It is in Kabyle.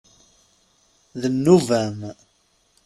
D nnuba-m.